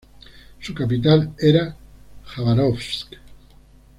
Su capital era Jabárovsk.